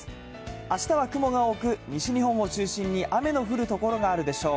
あしたは雲が多く、西日本を中心に雨の降る所があるでしょう。